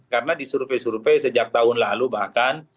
karena di survei survei sejak tahun lalu bahkan